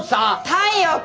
太陽君！